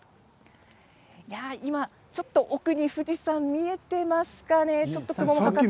今奥に富士山見えていますかね。